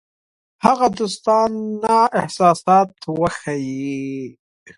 هغه دوستانه احساسات وښيي.